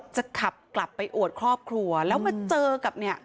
จะขับกลับไปอวดครอบครัวแล้วมาเจอกับเนี่ย